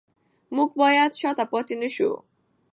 موږ باید شاته پاتې نشو.